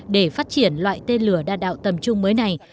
để phát triển loại tên lửa đa đạo tầm trung mới này